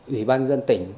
ủy ban dân tỉnh